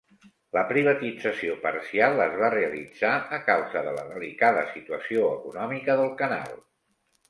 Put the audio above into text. La privatització parcial es va realitzar a causa de la delicada situació econòmica del canal.